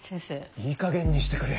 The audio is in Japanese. いいかげんにしてくれ。